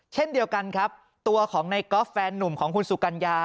เช่นเดียวกันครับตัวของในก๊อฟแฟนหนุ่มของคุณสุกัญญา